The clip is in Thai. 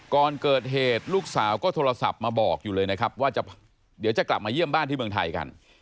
ก่อนเกิดเหตุลูกสาวก็โทรศัพท์มาบอกอยู่เลยนะครับว่าเดี๋ยวจะกลับมาเยี่ยมบ้านที่เมืองไทยกัน